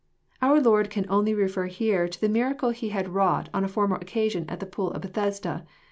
'] Our Lord can only I ^ refer here to the miracle He had wrought on a former occasion ^ at the pool of Bethesda.